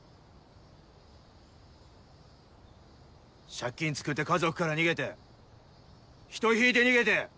借金つくって家族から逃げて人ひいて逃げて。